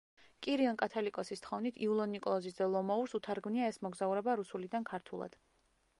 კირიონ კათალიკოსის თხოვნით, იულონ ნიკოლოზის ძე ლომოურს უთარგმნია ეს მოგზაურობა რუსულიდან ქართულად.